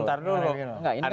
tapi sebentar dulu